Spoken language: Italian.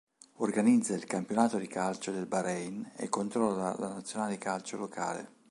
Organizza il campionato di calcio del Bahrein e controlla la nazionale di calcio locale.